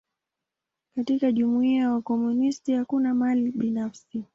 Katika jumuia ya wakomunisti, hakuna mali binafsi.